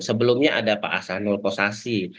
sebelumnya ada pak asanul kosasi